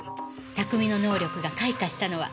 拓海の能力が開花したのは。